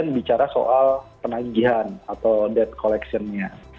kita bicara soal penagihan atau debt collection nya